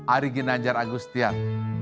ari ginajar agustian